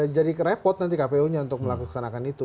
jadi repot nanti kpu nya untuk melakukan itu